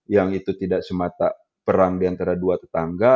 yang itu tidak semata perang di antara dua tetangga